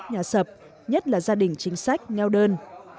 nhà sập nhất là gia đình chính sách neo đơn